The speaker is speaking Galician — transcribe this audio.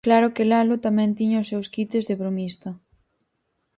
Claro que Lalo tamén tiña os seus quites de bromista.